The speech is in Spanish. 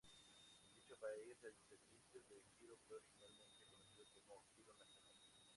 En dicho país, el servicio de giro fue originalmente conocido como Giro Nacional.